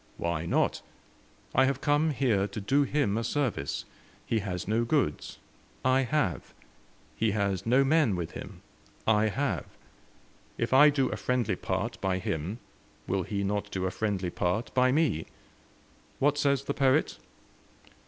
"Why not? I have come here to do him a service. He has no goods. I have. He has no men with him. I have. If I do a friendly part by him, will he not do a friendly part by me? What says the poet?